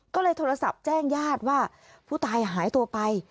ก็เลยโทรศัพท์แจ้งญาติว่าผู้ตายหายตัวไป